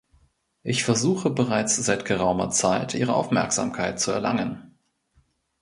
Ich versuche bereits seit geraumer Zeit, Ihre Aufmerksamkeit zu erlangen.